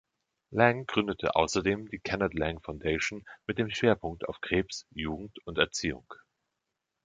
Lang gründete außerdem die Kenard Lang Foundation mit dem Schwerpunkt auf Krebs, Jugend und Erziehung.